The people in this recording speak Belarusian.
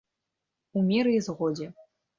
У міры і згодзе.